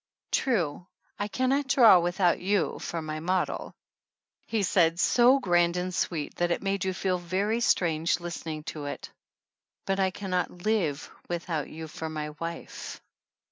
"True, I can not draw without you for my model," he said' so grand and sweet that it made you feel very strange listening to it, "but I can not live without you for my wife."